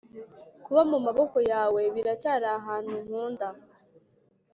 kuba mumaboko yawe biracyari ahantu nkunda.